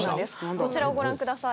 こちらをご覧ください。